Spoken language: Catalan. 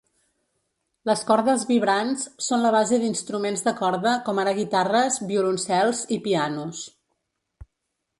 Les cordes vibrants són la base d'instruments de corda com ara guitarres, violoncels i pianos.